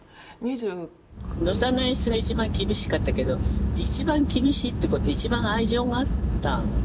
宇野さんの演出が一番厳しかったけど一番厳しいってことは一番愛情があったよね